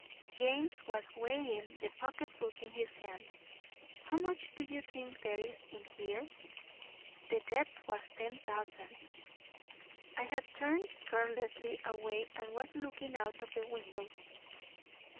"James was weighing the pocket book in his hand. 'How much do you think there is in here? The debt was ten thousand.' I had turned carelessly away and was looking out of the window.